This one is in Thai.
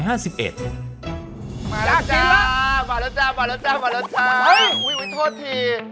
มาแล้วจ๊ะมาแล้วจ๊ะโอ๊ยโทษที